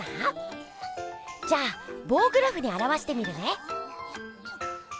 じゃあぼうグラフにあらわしてみるね。